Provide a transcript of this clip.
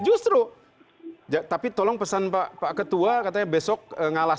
justru tapi tolong pesan pak ketua katanya besok ngalah